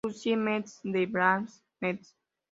Lucie Mets de Binghamton Mets.